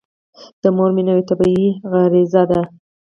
د مور مینه یوه طبیعي غريزه ده.